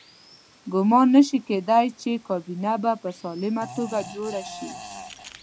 ګمان نه شي کېدای چې کابینه به په سالمه توګه جوړه شي.